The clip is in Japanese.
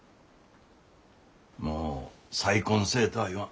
もう再婚せえとは言わん。